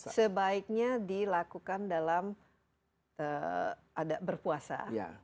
sebaiknya dilakukan dalam berpuasa